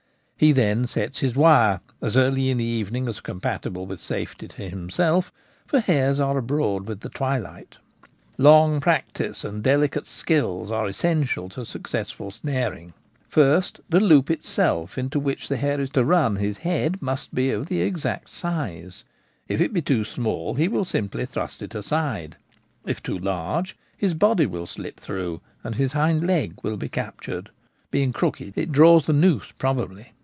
He then sets his wire, as early in the evening as compatible with safety to himself, for hares are abroad with the twilight Long practice and delicate skill are essential to successful snaring. First, the loop itself into which the hare is to run his head must be of the exact size. 1 50 The Gamekeeper at Home. If it be too small he will simply thrust it aside ; if too large his body will slip through, and his hind leg will be captured : being crooked, it draws the noose probably.